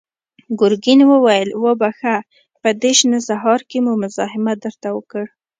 ګرګين وويل: وبخښه، په دې شنه سهار کې مو مزاحمت درته وکړ.